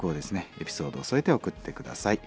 エピソードを添えて送って下さい。